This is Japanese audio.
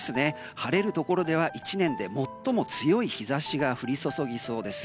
晴れるところでは１年で最も強い日差しが降り注ぎそうです。